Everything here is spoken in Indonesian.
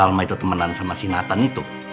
sama itu temenan sama si nathan itu